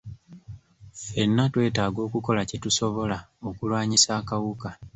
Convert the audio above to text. Ffenna twetaaga okukola kye tusobola okulwanyisa akawuka.